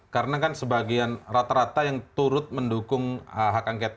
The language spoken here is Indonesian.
karena kan sebagian rata rata yang turut mendukung hak angket